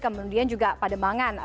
kemudian juga pademangan